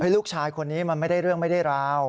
ลูกชายคนนี้มันไม่ได้เรื่องไม่ได้ราว